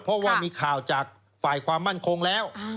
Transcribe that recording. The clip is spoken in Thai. เพราะว่ามีข่าวจากฝ่ายความมั่นคงแล้ว